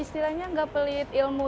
istilahnya nggak pelit ilmu